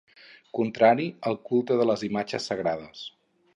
Contrari al culte de les imatges sagrades.